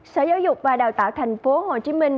sở giáo dục và đào tạo thành phố hồ chí minh